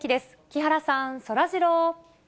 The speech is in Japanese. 木原さん、そらジロー。